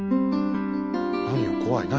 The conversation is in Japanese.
何よ怖い何？